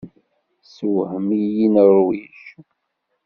Tessewhem-iyi Nuṛwij.